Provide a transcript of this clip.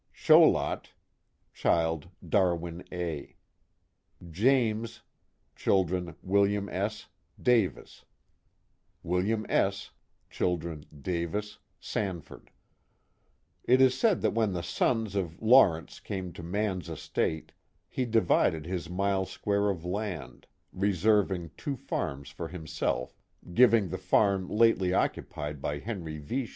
■\ Darwin A. William S, Davis I Davis Sanford It is said that when the sons of Lawrence came to man's estate, he divided his mile square of land, reserving two farms for himself, giving the farm lately occupied by Henry V.